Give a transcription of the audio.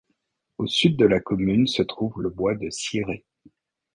Au sud de la commune se trouve le Bois de Cierrey.